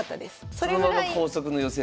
そのまま光速の寄せで。